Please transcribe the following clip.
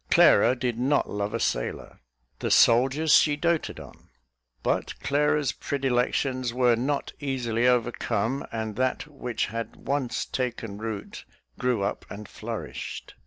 Clara did not love a sailor. The soldiers she doated on. But Clara's predilections were not easily overcome, and that which had once taken root grew up and flourished.